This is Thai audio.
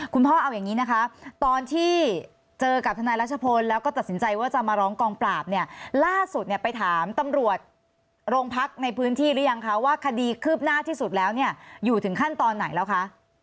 พ่อเอาอย่างนี้นะคะตอนที่เจอกับทนายรัชพลแล้วก็ตัดสินใจว่าจะมาร้องกองปราบเนี่ยล่าสุดเนี่ยไปถามตำรวจโรงพักในพื้นที่หรือยังคะว่าคดีคืบหน้าที่สุดแล้วเนี่ยอยู่ถึงขั้นตอนไหนแล้วคะ